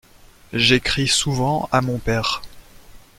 J’écris souvent à mon père.